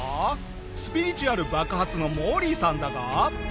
スピリチュアル爆発のモーリーさんだが。